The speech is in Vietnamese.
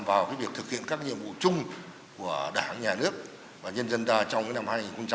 vào cái việc thực hiện các nhiệm vụ chung của đảng nhà nước và nhân dân ta trong năm hai nghìn một mươi sáu